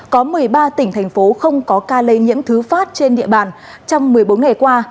có một mươi ba tỉnh thành phố không có ca lây nhiễm thứ phát trên địa bàn trong một mươi bốn ngày qua